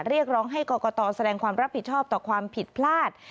เรียกร้องให้กรกตแสดงความรับผิดชอบต่อความผิดพลาด